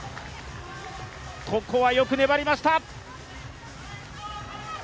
ここはよく粘りました。